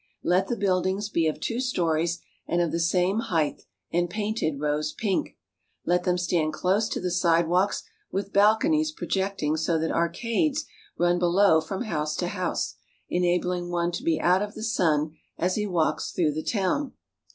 Let the buildings be of two stories and of the same height, and painted rose pink. Let them stand close to the side walks with balconies projecting so that arcades run below from house to house, enabling one to be out of the sun as he walks through the town.